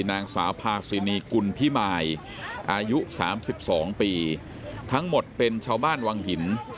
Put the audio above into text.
นางสาวพาซินีกุลพิมายอายุ๓๒ปีทั้งหมดเป็นชาวบ้านวังหิน